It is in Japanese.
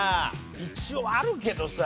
一応あるけどさ。